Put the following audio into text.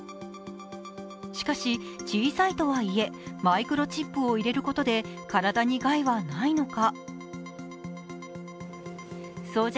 しかし、小さいとはいえマイクロチップを入れることで体に害はないのか？